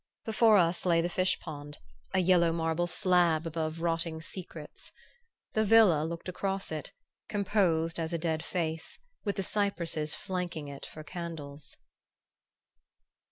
Before us lay the fish pond, a yellow marble slab above rotting secrets. The villa looked across it, composed as a dead face, with the cypresses flanking it for candles....